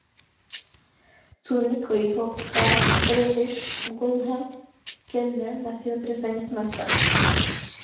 Su único hijo, Karl Friedrich Wilhelm Kellner, nació tres años más tarde.